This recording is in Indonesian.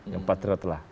yang patriot lah